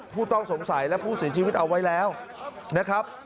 ผู้ต้องสงสัยและผู้เสียชีวิตเอาไว้แล้วนะครับ